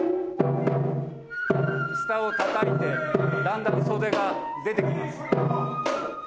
下をたたいてだんだん袖が出てきます。